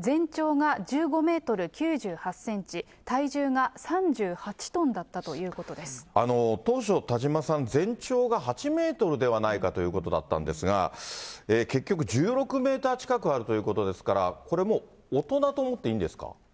全長が１５メートル９８センチ、体重が３８トンだったということ当初、田島さん、全長が８メートルではないかということだったんですが、結局１６メートル近くあるということですから、これもう大人と思っていいんですか。